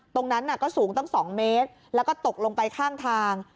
ตรงนั้นก็สูงตั้ง๒เมตรแล้วก็ตกลงไปข้างทาง